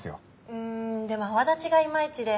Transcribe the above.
うんでも泡立ちがいまいちで。